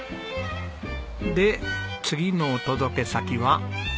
で次のお届け先は？